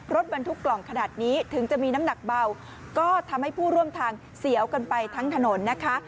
รถบรรทุกกล่องขนาดนี้ถึงจะมีน้ำหนักเบาก็ทำให้ผู้ร่วมทางเสียวกันไปทั้งถนนนะคะ